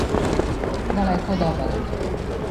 Далеко од обале.